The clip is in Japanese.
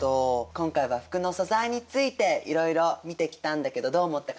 今回は服の素材についていろいろ見てきたんだけどどう思ったかな太哉君？